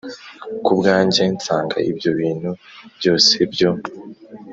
ku bwanjye, nsanga ibyo bintu byose byo